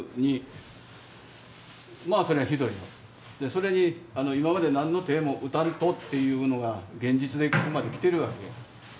それに今まで何の手も打たんとっていうのが現実でここまで来てるわけや。